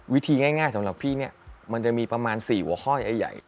วิธีง่ายสำหรับพี่เนี่ยมันจะมีประมาณ๔หัวข้อใหญ่